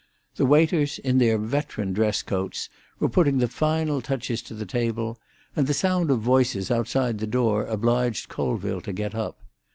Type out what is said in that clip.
The waiters, in their veteran dress coats, were putting the final touches to the table, and the sound of voices outside the door obliged Colville to get up.